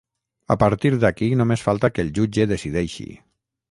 A partir d’aquí només falta que el jutge decideixi.